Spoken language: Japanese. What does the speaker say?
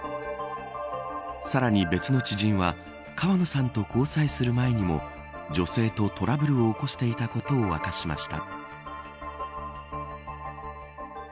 さらに別の知人は川野さんと交際する前にも女性とトラブルを起こしていたことを明かしました。